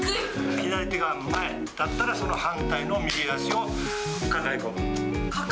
左手が前、だったら反対の右足を抱え込む。